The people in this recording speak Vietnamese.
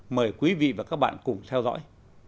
mời quý vị và các bạn cùng theo dõi